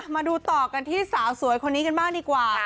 มาดูต่อกันที่สาวสวยคนนี้กันบ้างดีกว่า